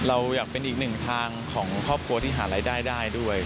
เราอยากเป็นอีกหนึ่งทางของครอบครัวที่หารายได้ได้ด้วย